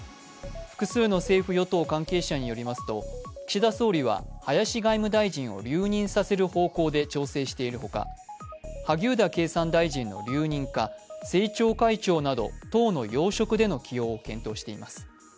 複数の政府・与党関係者によりますと、岸田総理は林外務大臣を留任させる方向で調整しているほか萩生田経産大臣の留任か政調会長など党の要職での起用を検討しています。